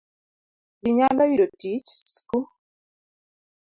Ji nyalo yudo tich, sku